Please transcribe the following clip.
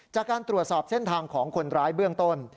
จากการตรวจสอบเส้นทางของคนร้ายเบื้องต้น